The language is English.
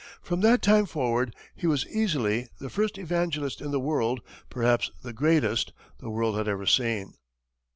From that time forward he was easily the first evangelist in the world perhaps the greatest the world had ever seen.